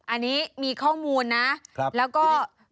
อันนี้มีข้อมูลนะแล้วก็